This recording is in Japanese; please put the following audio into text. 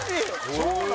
そうなの！